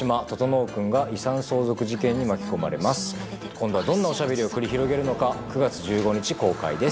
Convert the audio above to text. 今度はどんなおしゃべりを繰り広げるのか９月１５日公開です。